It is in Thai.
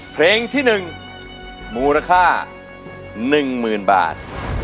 เพลงที่๑มูลค่า๑๐๐๐บาท